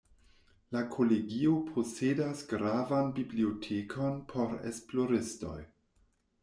La Kolegio posedas gravan bibliotekon por esploristoj.